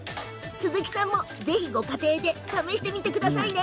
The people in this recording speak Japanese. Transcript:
鈴木さんもぜひご家庭で試してみてね！